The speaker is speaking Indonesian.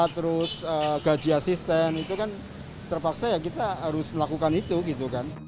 terus gaji asisten itu kan terpaksa ya kita harus melakukan itu gitu kan